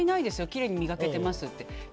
きれいに磨けていますって。